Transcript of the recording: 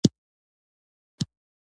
متل دی: ډم چې ډول وهي زور به یې لري.